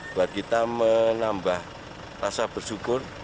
buat kita menambah rasa bersyukur